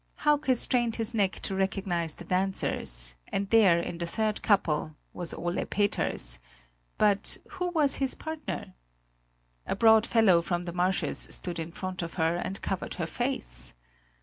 Hauke strained his neck to recognise the dancers; and there in the third couple, was Ole Peters but who was his partner? A broad fellow from the marshes stood in front of her and covered her face!